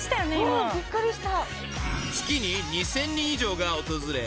［月に２，０００人以上が訪れ